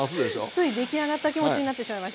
つい出来上がった気持ちになってしまいました。